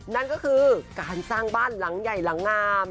นั่นก็คือการสร้างบ้านหลังใหญ่หลังงาม